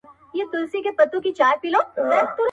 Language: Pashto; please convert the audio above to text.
کال په کال یې زیاتېدل مځکي باغونه!